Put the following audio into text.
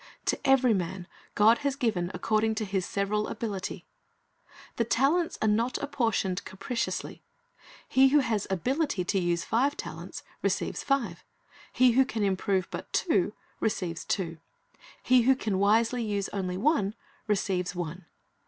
To every man God has given "according to his several ability." The talents are not apportioned capriciously. He who has ability to use five talents receives five. He who can improve but two, receives two. He who can wisely use only one, receives one.